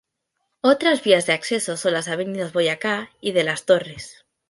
Otras vías de acceso son las avenidas Boyacá y de Las Torres.